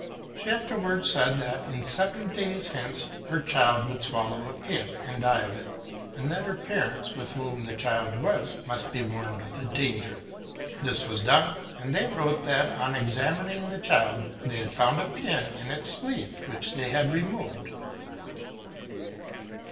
She afterwards said that, in seven days hence, her child would swallow a pin, and die of it ; and that her parents, with whom the child was, must be warned of the danger. This was done ; and they wrote that, on examining the child, they had found a pin in its sleeve, which they had re moved.